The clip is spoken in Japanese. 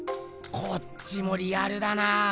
こっちもリアルだなぁ。